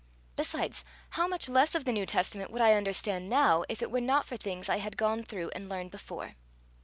Besides, how much less of the New Testament would I understand now, if it were not for things I had gone through and learned before!"